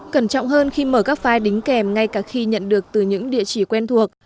cẩn trọng hơn khi mở các file đính kèm ngay cả khi nhận được từ những địa chỉ quen thuộc